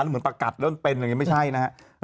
เหมือนประกัดแล้วมันเป็นอย่างนี้ไม่ใช่นะครับ